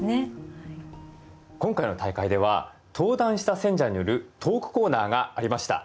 今回の大会では登壇した選者によるトークコーナーがありました。